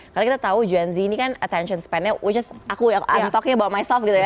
karena kita tahu gen z ini kan attention span nya which is aku talking about myself gitu ya